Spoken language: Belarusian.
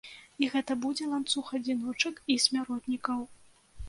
І гэта будзе ланцуг адзіночак і смяротнікаў.